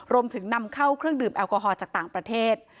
รวมถึงนำเข้าเครื่องดื่มแอลกอฮอลจากต่างประเทศ